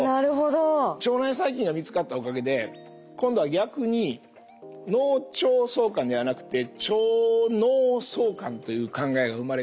腸内細菌が見つかったおかげで今度は逆に「脳腸相関」ではなくて「腸脳相関」という考えが生まれてきて。